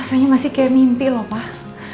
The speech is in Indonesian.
rasanya masih kayak mimpi loh pak